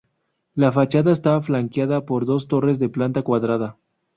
La fachada está flanqueada por dos torres de planta cuadrada.